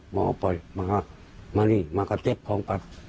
หมอออกไปมานี่มาก็เจ็บพองกัน